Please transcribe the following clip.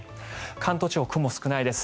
関東地方、雲少ないです。